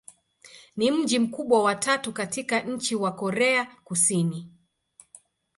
Ni mji mkubwa wa tatu katika nchi wa Korea Kusini.